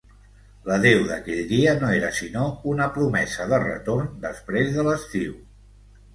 L’adéu d’aquell dia no era sinó una promesa de retorn després de l’estiu.